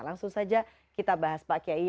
langsung saja kita bahas pak kiai